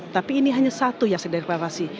tapi ini hanya satu ya sedang deklarasi